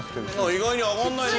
意外に上がんないね。